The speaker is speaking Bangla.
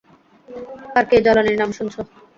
আর কে জালানির নাম শুনছো?